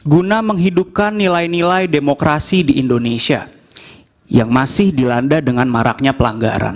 guna menghidupkan nilai nilai demokrasi di indonesia yang masih dilanda dengan maraknya pelanggaran